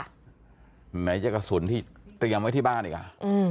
ไหนจะกระสุนที่เตรียมไว้ที่บ้านอีกอ่ะ